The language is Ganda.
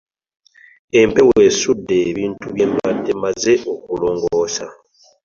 Empewo esudde ebintu bye mbadde maze okulongoosa.